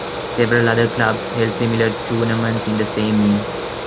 Several other clubs held similar tournaments in the same year.